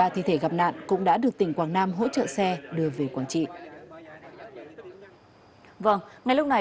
ba thi thể gặp nạn cũng đã được tỉnh quảng nam hỗ trợ xe đưa về quảng trị